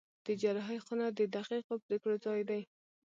د جراحي خونه د دقیقو پرېکړو ځای دی.